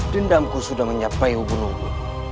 dendamku sudah menyapai hubunganmu